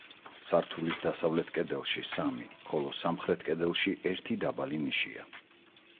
სართულის დასავლეთ კედელში სამი, ხოლო სამხრეთ კედელში ერთი დაბალი ნიშია.